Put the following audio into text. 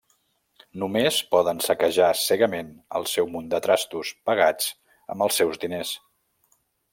Només poden saquejar cegament el seu munt de trastos, pagats amb els seus diners.